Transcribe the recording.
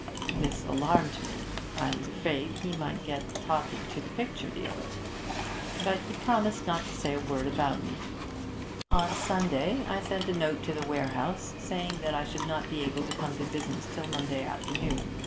This alarmed me, I was afraid he might get talking to the picture dealer. But he promised not to say a word about me. 'On Sunday I sent a note to the warehouse, saying that I should not be able to come to business till Monday afternoon.